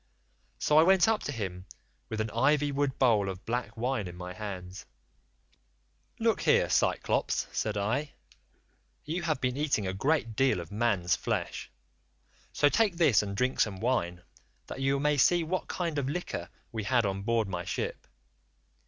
So I went up to him with an ivy wood bowl of black wine in my hands: "'Look here, Cyclops,' said I, you have been eating a great deal of man's flesh, so take this and drink some wine, that you may see what kind of liquor we had on board my ship.